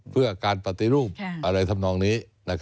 เพื่อการปฏิรูปอะไรทำนองนี้